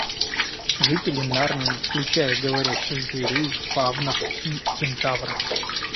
Жители Нарнии, включая говорящих зверей, фавнов и кентавров